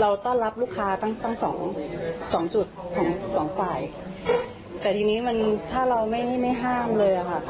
เราต้อนรับลูกค้าตั้งตั้งสองสองจุดสองสองฝ่ายแต่ทีนี้มันถ้าเราไม่ไม่ห้ามเลยอะค่ะ